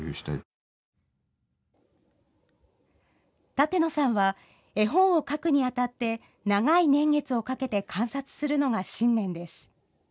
舘野さんは絵本を描くに当たって長い年月をかけて観察するのが信念です。